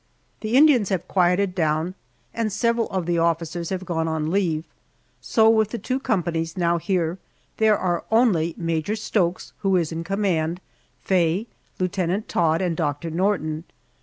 The Indians have quieted down, and several of the officers have gone on leave, so with the two companies now here there are only Major Stokes, who is in command, Faye, Lieutenant Todd, and Doctor Norton.